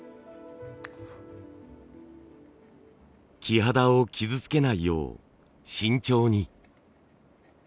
木肌を傷つけないよう慎重に。